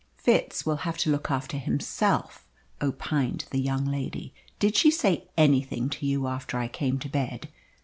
"Fitz will have to look after himself," opined the young lady. "Did she say anything to you after I came to bed?